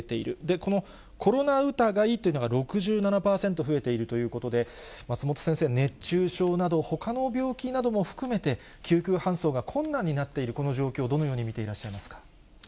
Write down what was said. このコロナ疑いというのが６７％増えているということで、松本先生、熱中症など、ほかの病気なども含めて、救急搬送が困難になっているこの状況、どのように見ていらっしゃいますか。